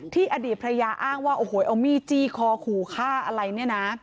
อดีตภรรยาอ้างว่าโอ้โหเอามีดจี้คอขู่ฆ่าอะไรเนี่ยนะ